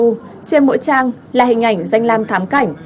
u trên mỗi trang là hình ảnh danh lam thám cảnh